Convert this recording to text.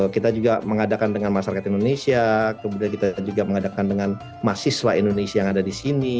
kita juga mengadakan dengan masyarakat indonesia kemudian kita juga mengadakan dengan mahasiswa indonesia yang ada di sini